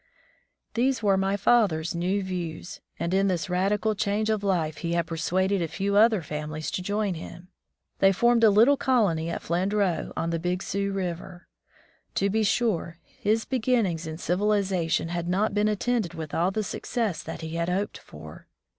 These were my father's new views, and in this radical change of life he had persuaded a few other families to join him. They formed a little colony at flandreau, on the Big Sioux River. To be sure, his beginnings in civilization had not been attended with all the success that he had hoped for.